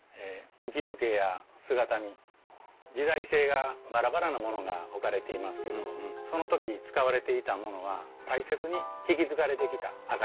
置き時計や姿見時代性がバラバラなものが置かれていますけどその時使われていたものは大切に引き継がれてきた証しだと思うんですね。